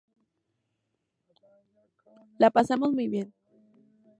La pasamos muy bien.